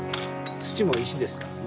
土も石ですからね。